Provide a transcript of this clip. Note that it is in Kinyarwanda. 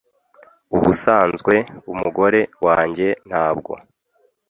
Ubusanzwe umugore wanjye ntabwo